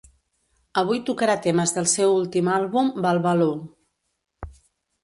Avui tocarà temes del seu últim àlbum, ‘Balbalou’.